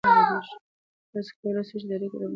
تاسې کولای سئ د اړیکو د پراختیا لپاره نوښت وکړئ.